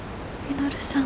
稔さん。